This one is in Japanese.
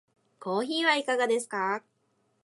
コーヒーはいかがですか？